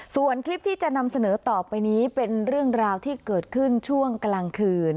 ส่วนคลิปที่จะนำเสนอต่อไปนี้เป็นเรื่องราวที่เกิดขึ้นช่วงกลางคืน